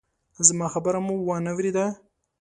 زما خبره مو وانه ورېده!